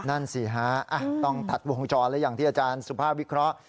นั่นสิฮะต้องตัดวงจรและอย่างที่อาจารย์สุภาพวิเคราะห์